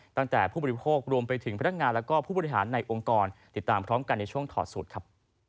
ตั้งแต่ผู้บริโภครวมไปถึงพนักงานและผู้บริหารในองค์กรติดตามพร้อมกันในช่วงถอดสูตรครับ